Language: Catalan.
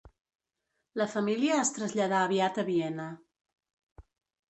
La família es traslladà aviat a Viena.